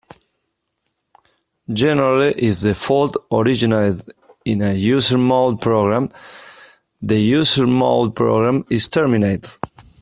Generally, if the fault originated in a user-mode program, the user-mode program is terminated.